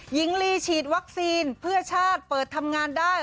หญิงลีฉีดวัคซีนเพื่อชาติเปิดทำงานได้